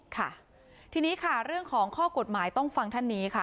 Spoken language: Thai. ค่ะทีนี้ค่ะเรื่องของข้อกฎหมายต้องฟังท่านนี้ค่ะ